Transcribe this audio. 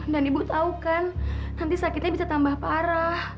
dan ibu tahu kan nanti sakitnya bisa tambah parah